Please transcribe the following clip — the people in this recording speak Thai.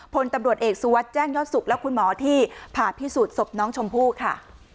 พลตำรวจเอกสุวัสดิ์แจ้งยอดสุขและคุณหมอที่ผ่าพิสูจน์ศพน้องชมพู่ค่ะ